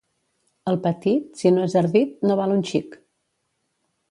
El petit, si no és ardit, no val un xic.